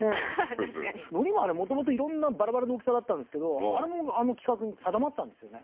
確かに海苔もあれもともと色んなバラバラの大きさだったんですけどあれもあの規格に定まったんですよね